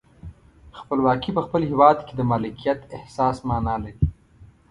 خپلواکي په خپل هیواد کې د مالکیت احساس معنا لري.